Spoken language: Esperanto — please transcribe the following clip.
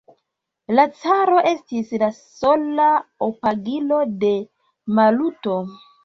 La caro estis la sola apogilo de Maluto.